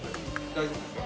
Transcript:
大丈夫ですよ。